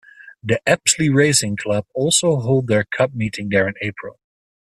The Apsley Racing Club also hold their Cup meeting there in April.